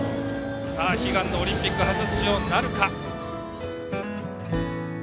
さあ悲願のオリンピック初出場なるか。